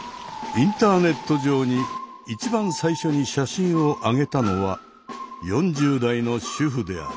インターネット上に一番最初に写真をあげたのは４０代の主婦である。